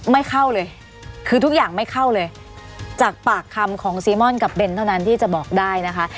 ไม่เข้าเลยคือทุกอย่างไม่เข้าเลยจากปากคำของซีม่อนกับเบนเท่านั้นที่จะบอกได้นะคะ